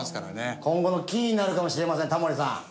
今後のキーになるかもしれませんタモリさん。